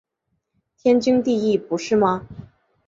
天经地义不是吗？